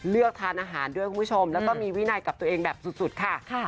เลือกทานอาหารด้วยคุณผู้ชมแล้วก็มีวินัยกับตัวเองแบบสุดค่ะ